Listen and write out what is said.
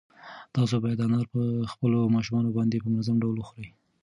تاسو باید انار په خپلو ماشومانو باندې په منظم ډول وخورئ.